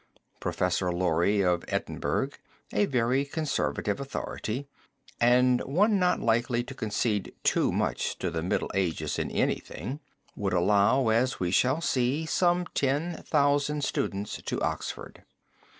Professor Laurie of Edinburgh, a very conservative authority and one not likely to concede too much to the Middle Ages in anything, would allow, as we shall see, some ten thousand students to Oxford.